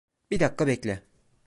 Bir dakika bekle.